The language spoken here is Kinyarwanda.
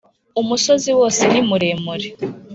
Umusozi wose nimuremure.